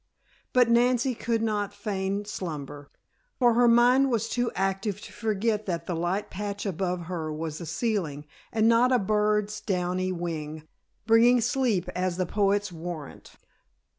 But Nancy could not feign slumber, for her mind was too active to forget that the light patch above her was the ceiling, and not a bird's downy wing, bringing sleep, as the poets warrant.